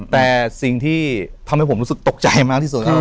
แต่สิ่งที่ทำให้ผมรู้สึกตกใจมากที่สุด